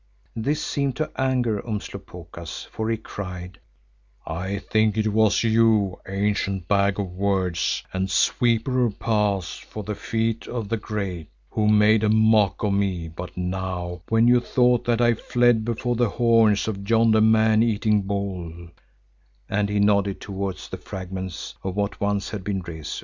This seemed to anger Umslopogaas, for he cried, "I think it was you, ancient bag of words and sweeper of paths for the feet of the great, who made a mock of me but now, when you thought that I fled before the horns of yonder man eating bull—" and he nodded towards the fragments of what once had been Rezu.